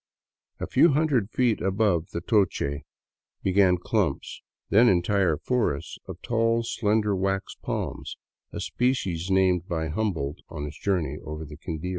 A few hundred feet above the Toche began clumps, then entire forests of a tall, slender wax palm, a species named by Humboldt on his journey over the Quindio.